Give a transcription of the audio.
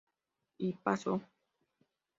Y pasó.